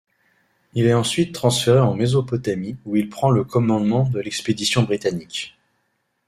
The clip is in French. Il est ensuite transféré en Mésopotamie où il prend le commandement de l'expédition britannique.